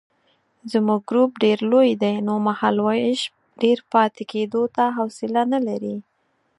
زموږ ګروپ ډېر لوی دی نو مهالوېش ډېر پاتې کېدو ته حوصله نه لري.